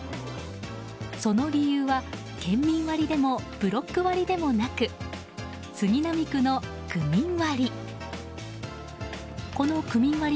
その理由は、県民割でもブロック割でもなく杉並区の区民割。